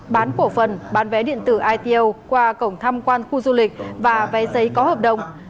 bán cổ phần bán vé điện tử ito qua cổng tham quan khu du lịch và vé giấy có hợp đồng